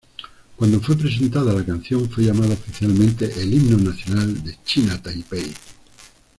Cuando fue presentado, la canción fue llamada oficialmente el "Himno Nacional de China Taipei".